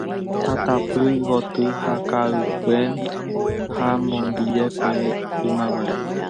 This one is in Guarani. tatapy gotyo ka'ygua ha bombilla ku ymaguare